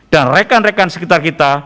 dan rekan rekan sekitar kita